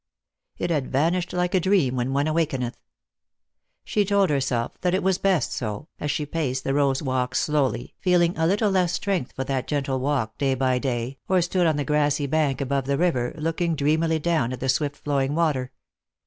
It had vanished like a dream when one awakeneth. She told herself that it was best so, as she paced the rose walks slowly, feeling a little less strength for that gentle walk day by day, or stood on the grassy bank above the river, looking dreamily down at the swift flowing water.